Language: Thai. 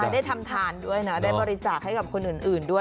ได้ทำทานด้วยนะได้บริจาคให้กับคนอื่นด้วย